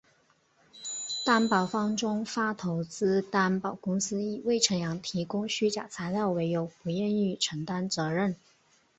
担保方中发投资担保公司以魏辰阳提供虚假材料为由不愿意承担责任。